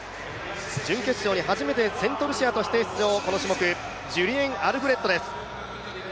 準決勝に初めてセントルシアとして出場、この種目、ジュリエン・アルフレッドです。